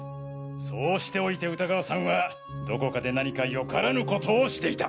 そうしておいて歌川さんはどこかで何かよからぬことをしていた。